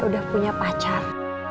udah punya pacar